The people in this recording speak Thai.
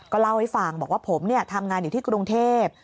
เล่าให้ฟังบอกว่าผมทำงานอยู่ที่กรุงเทพ